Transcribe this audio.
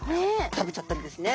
食べちゃったりですね。